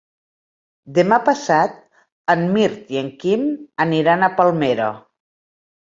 Demà passat en Mirt i en Quim aniran a Palmera.